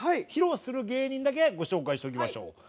披露する芸人だけご紹介しておきましょう。